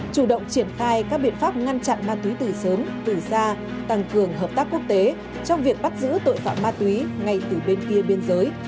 chủ động triển khai các biện pháp ngăn chặn ma túy từ sớm từ xa tăng cường hợp tác quốc tế trong việc bắt giữ tội phạm ma túy ngay từ bên kia biên giới